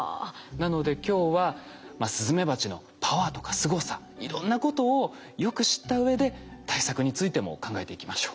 なので今日はスズメバチのパワーとかすごさいろんなことをよく知った上で対策についても考えていきましょう。